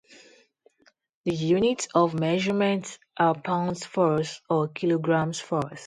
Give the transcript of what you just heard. The units of measurement are pounds-force or kilograms-force.